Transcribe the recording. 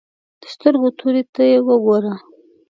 د سترګو تورې ته دې وګوره.